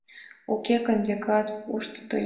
Уке гын, векат, пуштыт ыле.